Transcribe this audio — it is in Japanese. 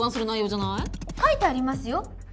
書いてありますよ。